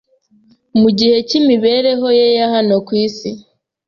Mu gihe cy'imibereho ye ya hano ku isi,